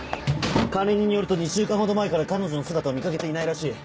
管理人によると２週間ほど前から彼女の姿を見掛けていないらしい。